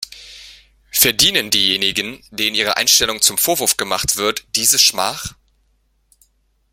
Verdienen diejenigen, denen ihre Einstellung zum Vorwurf gemacht wird, diese Schmach?